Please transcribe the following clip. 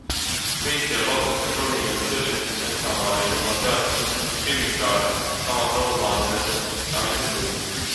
Kõikjal lopsakas rohi, mille tõrjumiseks metsamaal ei luba seadus kasutada kemikaale, samas rohumaade metsastamisel võib.